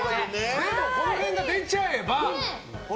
この辺が出ちゃえば。